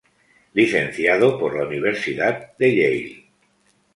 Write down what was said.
Licenciado por la Universidad de Yale.